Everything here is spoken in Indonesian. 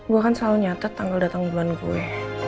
gue kan selalu nyatat tanggal datang bulan gue